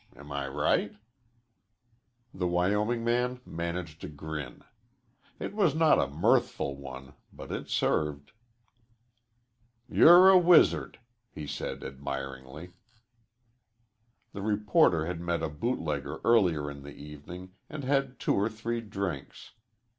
Am I right?" The Wyoming man managed a grin. It was not a mirthful one, but it served. "You're a wizard," he said admiringly. The reporter had met a bootlegger earlier in the evening and had two or three drinks.